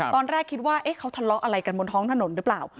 ตอนแรกคิดว่าเขาทะเลาะอะไรกันบนท้องถนนหรือเปล่า